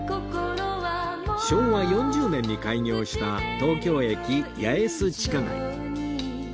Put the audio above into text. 昭和４０年に開業した東京駅八重洲地下街